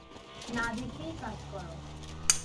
না দেখেই কাজ করো।